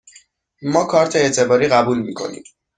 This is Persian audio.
ما کارت اعتباری قبول می کنیم.